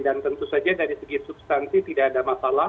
dan tentu saja dari segi substansi tidak ada masalah